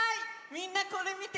みんなこれみて！